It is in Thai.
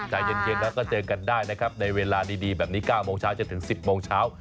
ใจเย็นแล้วก็เจอกันได้นะครับในเวลาดีแบบนี้๙โมงเช้าจนถึง๑๐โมงเช้า